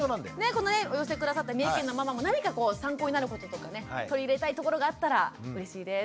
このお寄せ下さった三重県のママも何かこう参考になることとかね取り入れたいところがあったらうれしいです。